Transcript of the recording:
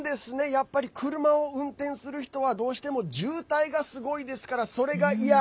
やっぱり車を運転する人はどうしても渋滞がすごいですからそれが嫌。